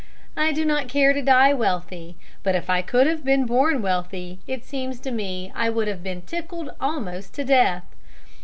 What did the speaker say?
I do not care to die wealthy, but if I could have been born wealthy it seems to me I would have been tickled almost to death.